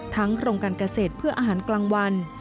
โครงการเกษตรเพื่ออาหารกลางวัน